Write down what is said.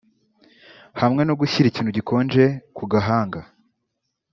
hamwe no gushyira ikintu gikonje ku gahanga